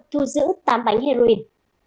thu giữ tám bánh heroin